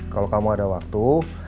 kalau kamu ada waktu